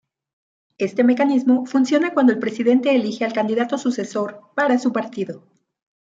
Este mecanismo funciona cuando el presidente elige al candidato sucesor para su partido.